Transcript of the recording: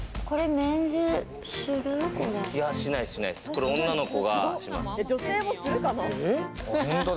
これ女の子がします。